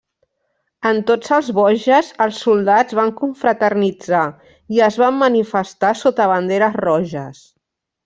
En tots els Vosges els soldats van confraternitzar i es van manifestar sota banderes roges.